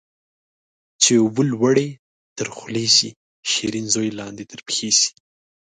چي اوبه لوړي تر خولې سي ، شيرين زوى لاندي تر پښي سي